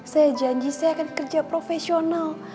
saya janji saya akan kerja profesional